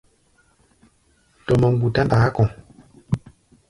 Dɔmɔ mgbutá ndaá kɔ̧.